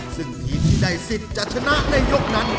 ซึ่งทีมที่ได้๑๐จะชนะในยกนั้น